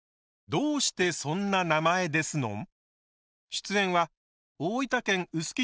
「どうしてそんな名前ですのん」